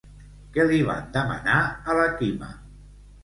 Què li van demanar a la Quima?